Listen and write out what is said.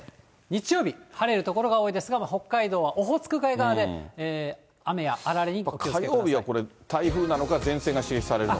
日曜日、晴れる所が多いですが、北海道はオホーツク海側で雨やあられにお気をつけください。